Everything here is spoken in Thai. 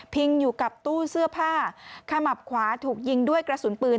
อยู่กับตู้เสื้อผ้าขมับขวาถูกยิงด้วยกระสุนปืน